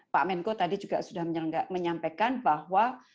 pak menko tadi juga sudah menyampaikan bahwa